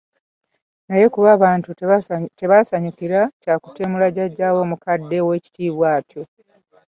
Naye kuba abantu tebaasanyukira kya kutemula jjajjaawe omukadde ow'ekitiibwa atyo.